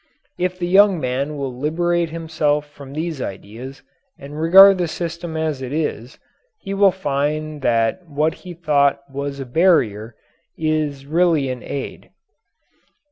If the young man will liberate himself from these ideas and regard the system as it is, he will find that what he thought was a barrier is really an aid.